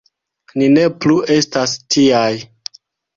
Ni ne plu estas tiaj!